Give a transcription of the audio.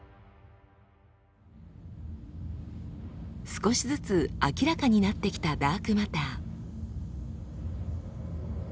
少しずつ明らかになってきたダークマター。